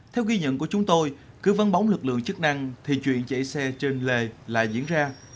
theo ghi nhận của chúng tôi cứ văn bóng lực lượng chức năng thì chuyện chạy xe trên lề lại diễn ra